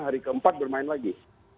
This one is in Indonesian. hari keempat bermain lagi